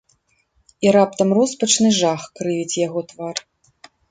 І раптам роспачны жах крывіць яго твар.